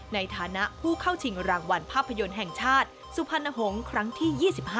ในฐานะผู้เข้าชิงรางวัลภาพยนตร์แห่งชาติสุพรรณหงษ์ครั้งที่๒๕